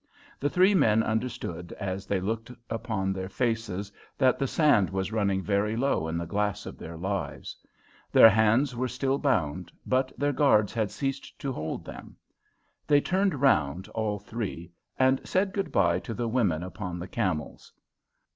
The three men understood as they looked upon their faces that the sand was running very low in the glass of their lives. Their hands were still bound, but their guards had ceased to hold them. They turned round, all three, and said good bye to the women upon the camels.